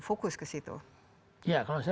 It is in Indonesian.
fokus ke situ ya kalau saya